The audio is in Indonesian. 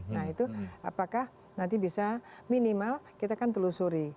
nah itu apakah nanti bisa minimal kita kan telusuri